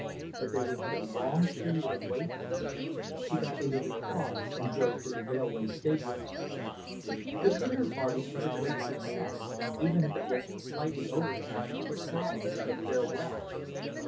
But there would be a long period of waiting. She got into the car, and drove to the railway station. The dinner party was a great success, even if it was slightly overcast with the sadness of farewell.